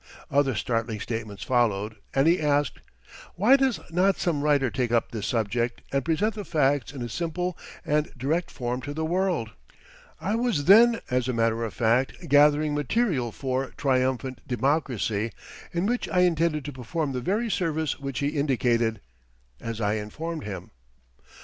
] Other startling statements followed and he asked: "Why does not some writer take up this subject and present the facts in a simple and direct form to the world?" I was then, as a matter of fact, gathering material for "Triumphant Democracy," in which I intended to perform the very service which he indicated, as I informed him.